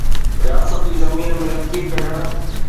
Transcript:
رياستي زمين ۾ لڪير ڪڍڻ.